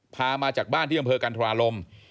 พามาจากบ้านที่อำเภอกันธรารม